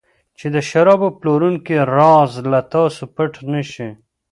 چې د شراب پلورونکي راز له تاسو پټ نه شي.